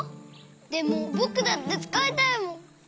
でもぼくだってつかいたいもん。